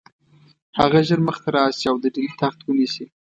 هغه ژر مخته راشي او د ډهلي تخت ونیسي.